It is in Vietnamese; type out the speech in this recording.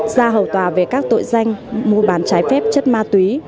ra hầu tòa về các tội danh mua bán trái phép chất ma túy